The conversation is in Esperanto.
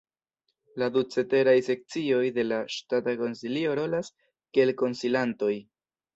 La du ceteraj sekcioj de la Ŝtata Konsilio rolas kiel konsilantoj.